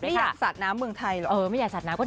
ไม่อยากสัดน้ำเมืองไทยหรอก